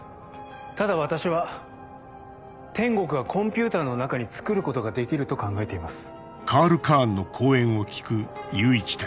ただ私は天国はコンピューターの中につくることができると考えています。